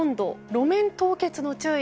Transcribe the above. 路面凍結の注意。